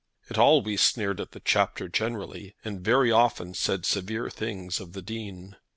It always sneered at the Chapter generally, and very often said severe things of the Dean.